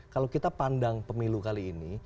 kalau kita pandang pemilu kali ini